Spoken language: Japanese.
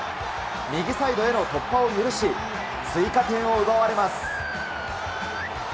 右サイドへの突破を許し、追加点を奪われます。